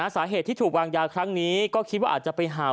สาเหตุที่ถูกวางยาครั้งนี้ก็คิดว่าอาจจะไปเห่า